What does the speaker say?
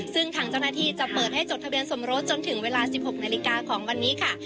ซึ่งทางเจ้าหน้าที่จะเปิดให้จดทะเบียนสมรสจนถึงเวลา๑๖นาฬิกาของวันนี้ค่ะ